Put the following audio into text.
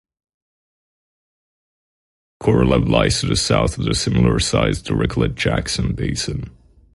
Korolev lies to the south of the similar-sized Dirichlet-Jackson Basin.